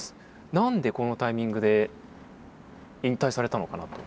何でこのタイミングで引退されたのかなと。